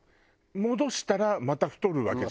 戻したらまた太るわけだ。